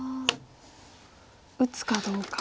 打つかどうか。